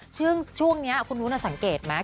ซึ่งช่วงนี้คุณวุ้นสังเกตไหม